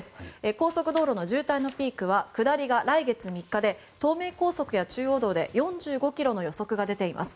高速道路の渋滞のピークは下りが来月の３日で東名高速や中央道で４５ｋｍの予測が出ています。